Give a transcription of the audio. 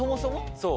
そう。